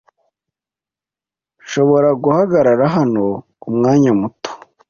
Nshobora guhagarara hano umwanya muto?